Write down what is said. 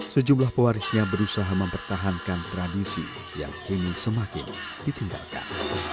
sejumlah pewarisnya berusaha mempertahankan tradisi yang kini semakin ditinggalkan